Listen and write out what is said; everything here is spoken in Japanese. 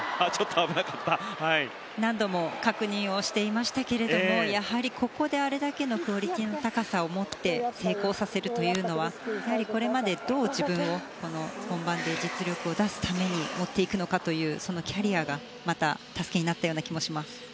何度も確認をしていましたけれどもやはり、ここであれだけのクオリティーの高さを持って成功させるというのはこれまで、どう自分を本番で実力を出すために持っていくのかというそのキャリアがまた助けになったような気もします。